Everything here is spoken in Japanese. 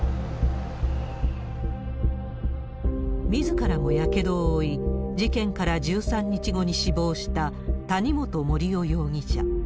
みずからもやけどを負い、事件から１３日後に死亡した、谷本盛雄容疑者。